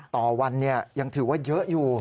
ต่อวันยังถือว่าเยอะอยู่